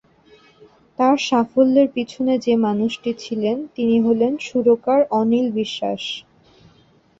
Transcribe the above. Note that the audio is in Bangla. তাঁর সাফল্যের পিছনে যে মানুষটি ছিলেন, তিনি হলেন সুরকার অনিল বিশ্বাস।